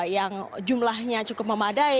yang jumlahnya cukup memadai